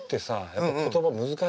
やっぱり言葉難しいのよ。